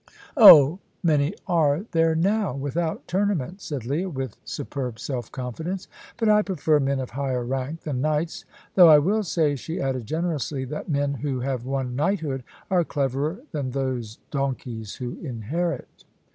"Oh, many are there now, without tournaments," said Leah, with superb self confidence; "but I prefer men of higher rank than knights. Though I will say," she added generously, "that men who have won knighthood are cleverer than those donkeys who inherit."